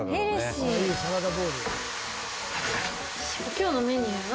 今日のメニューは。